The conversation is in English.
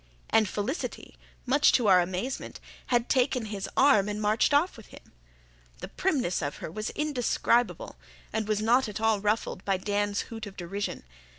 And Felicity, much to our amazement, had taken his arm and marched off with him. The primness of her was indescribable, and was not at all ruffled by Dan's hoot of derision.